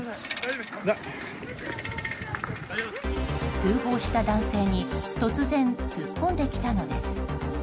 通報した男性に突然、突っ込んできたのです。